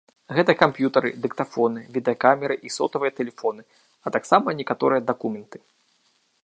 Гэта камп'ютары, дыктафоны, відэакамеры і сотавыя тэлефоны, а таксама некаторыя дакументы.